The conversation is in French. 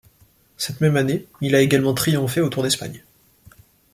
Cette même année il a également triomphé au Tour d'Espagne.